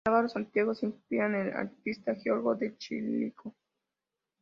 Álvaro Santiago se inspira en el artista Giorgio de Chirico.